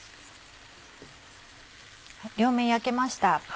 両面焼けました。